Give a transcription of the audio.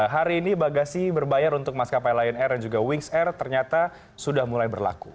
hari ini bagasi berbayar untuk maskapai lion air dan juga wings air ternyata sudah mulai berlaku